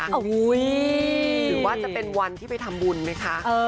หรือว่าจะเป็นวันที่ไปทำบุญไหมคะ